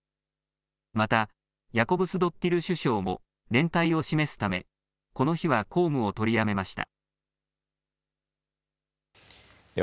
またヤコブスドッティル首相も連帯を示すためこの日は公務を取りやめました。